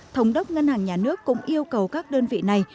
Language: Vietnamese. thống đốc ngân hàng nhà nước cũng yêu cầu các đơn vị này